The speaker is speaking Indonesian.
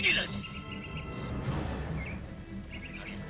kalian semua yang penting sampai matahari